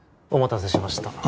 お待たせしました。